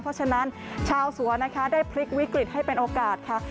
เพราะฉะนั้นชาวสวนนะคะได้พลิกวิกฤตให้เป็นโอกาสค่ะ